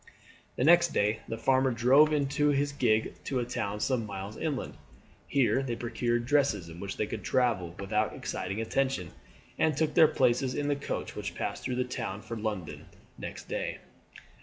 The next day the farmer drove them in his gig to a town some miles inland. Here they procured dresses in which they could travel without exciting attention, and took their places in the coach which passed through the town for London next day.